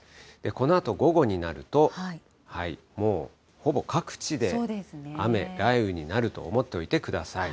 このあと午後になると、もうほぼ各地で雨、雷雨になると思っておいてください。